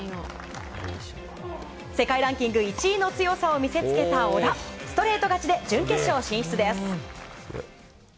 世界ランキング１位の強さを見せつけた小田ストレート勝ちで準決勝進出です。